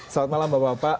selamat malam bapak bapak